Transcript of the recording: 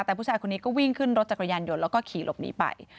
แต่ผู้ชายคนนี้ก็วิ่งขึ้นรถจักรยานยนต์แล้วก็ขี่หลบหนีไป